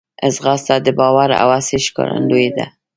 ځغاسته د باور او هڅې ښکارندوی ده